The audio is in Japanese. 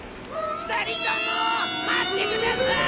２人とも待ってください！